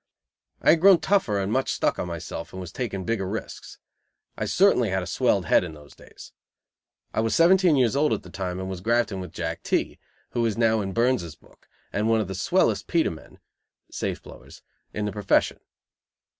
I had grown tougher and much stuck on myself and was taking bigger risks. I certainly had a swelled head in those days. I was seventeen years old at the time, and was grafting with Jack T , who is now in Byrnes's book, and one of the swellest "Peter" men (safe blowers) in the profession.